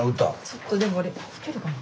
ちょっとでも吹けるかな。